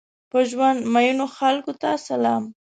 په ژوند مئینو خلکو ته سلام!